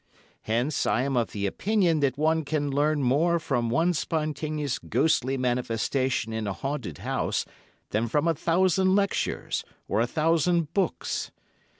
Hence, I am of the opinion that one can learn more from one spontaneous ghostly manifestation in a haunted house than from a thousand lectures, or a thousand books.